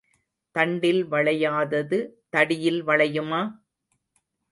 தண்டில் வளையாதது தடியில் வளையுமா?